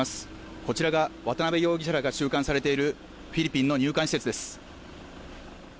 こちらが渡辺容疑者が収監されているフィリピンの入管施設です